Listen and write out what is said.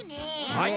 はい。